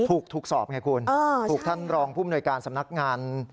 ถูกสอบไงคุณถูกท่านรองผู้มนวยการสำนักงาน